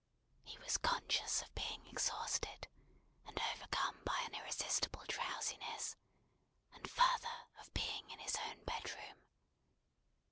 He was conscious of being exhausted, and overcome by an irresistible drowsiness; and, further, of being in his own bedroom.